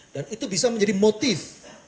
dan itu bisa menjadi motif